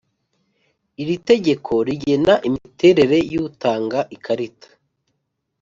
iri tegeko rigena imiterere y utanga ikarita